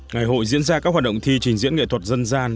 ngày hội diễn ra các hoạt động thi trình diễn nghệ thuật dân gian